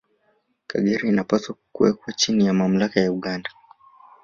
Kagera inapaswa kuwekwa chini ya mamlaka ya Uganda